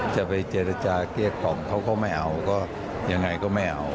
จะไปเจรจาเกลี้ยกล่อมเขาก็ไม่เอาก็ยังไงก็ไม่เอา